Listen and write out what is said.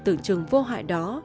tưởng trường vô hại đó